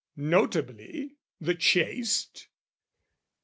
notably "the chaste?"